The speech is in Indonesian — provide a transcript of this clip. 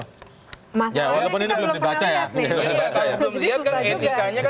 mas kita belum pernah lihat nih